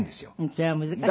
それは難しい。